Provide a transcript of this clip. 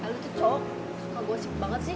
lo tuh cowok suka gue sip banget sih